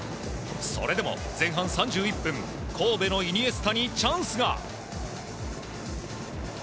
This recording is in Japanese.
それでも前半３１分神戸のイニエスタにチャンスが。